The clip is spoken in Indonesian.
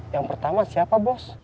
yang pertama siapa bos